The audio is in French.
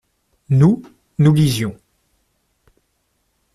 Nous, nous lisions.